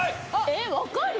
えっわかる？